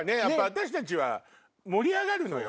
私たちは盛り上がるのよ。